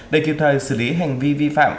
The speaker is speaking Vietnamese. để kịp thời xử lý hành vi vi phạm